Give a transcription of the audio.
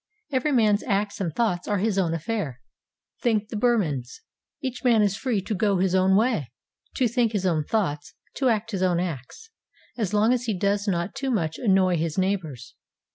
Every man's acts and thoughts are his own affair, think the Burmans; each man is free to go his own way, to think his own thoughts, to act his own acts, as long as he does not too much annoy his neighbours.